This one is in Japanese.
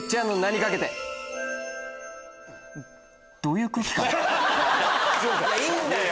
いいんだよ！